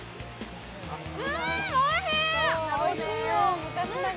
うん、おいしい。